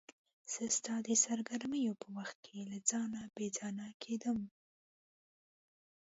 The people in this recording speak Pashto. زه ستا د سرګرمیو په وخت کې له ځانه بې ځانه کېدم.